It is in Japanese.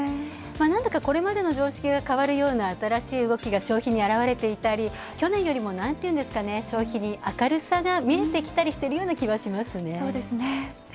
なんだか、これまでの常識が変わるような新しい動きが消費にあらわれていたり去年よりも消費に明るさが見えてきたりするような気がしますね。